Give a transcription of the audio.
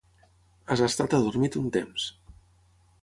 "Has estat adormit un temps".